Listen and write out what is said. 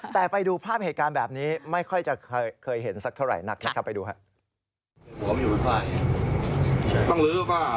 แต่ไปดูภาพเหตุการณ์แบบนี้ไม่ค่อยจะเคยเห็นสักเท่าไหร่นักนะครับไปดูครับ